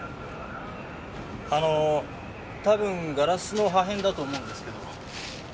あの多分ガラスの破片だと思うんですけど。